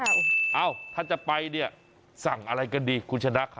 เอ้าถ้าจะไปสั่งอะไรกันดีคุณชนะค่ะ